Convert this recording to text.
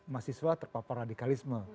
mahasiswa terpapar radikalisme